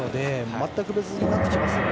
全く別人になってきますよね。